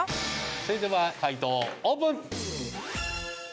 それでは解答オープン。